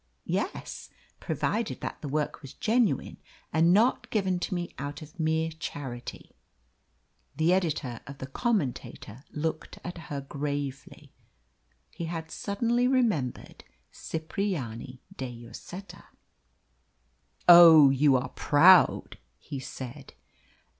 "Yes, provided that the work was genuine and not given to me out of mere charity." The editor of the Commentator looked at her gravely. He had suddenly remembered Cipriani de Lloseta. "Oh, you are proud!" he said.